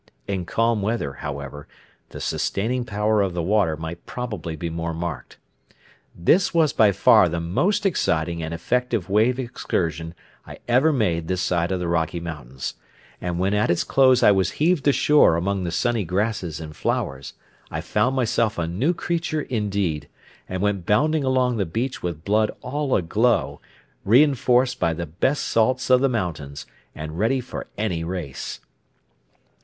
In calm weather, however, the sustaining power of the water might probably be more marked. This was by far the most exciting and effective wave excursion I ever made this side of the Rocky Mountains; and when at its close I was heaved ashore among the sunny grasses and flowers, I found myself a new creature indeed, and went bounding along the beach with blood all aglow, reinforced by the best salts of the mountains, and ready for any race.